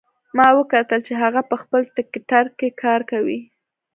ما وکتل چې هغه په خپل ټکټر کار کوي